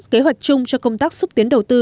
kế hoạch chung cho công tác xúc tiến đầu tư